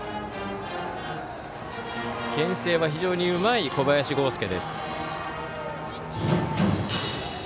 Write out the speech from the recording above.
けん制は非常にうまい小林剛介。